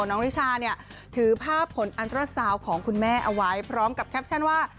นิชาเนี่ยถือภาพผลอันตราซาวของคุณแม่เอาไว้พร้อมกับแคปชั่นว่า